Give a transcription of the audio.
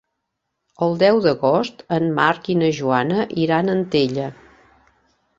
El deu d'agost en Marc i na Joana iran a Antella.